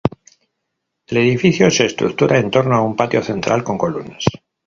El edificio se estructura en torno a un patio central con columnas.